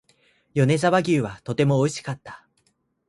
米沢牛はとても美味しかった